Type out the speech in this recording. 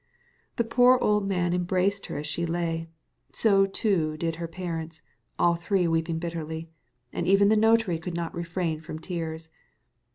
The poor old man embraced her as she lay; so, too, did her parents—all three weeping bitterly; and even the notary could not refrain from tears.